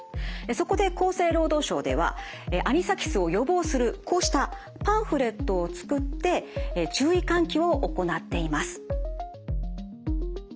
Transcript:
そこで厚生労働省ではアニサキスを予防するこうしたパンフレットを作って注意喚起を行っています。